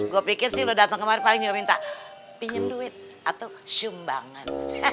gue pikir sih lo dateng kemarin paling juga minta pinjem duit atau sumbangan